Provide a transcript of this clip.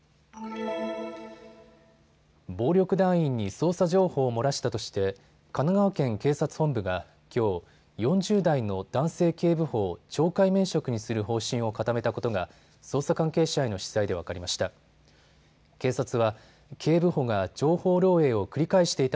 暴力団員に捜査情報を漏らしたとして神奈川県警察本部がきょう、４０代の男性警部補を懲戒免職にする方針を固めたことが捜査関係者への取材で分かりました。